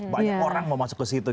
banyak orang mau masuk ke situ